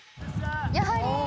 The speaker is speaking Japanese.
やはり！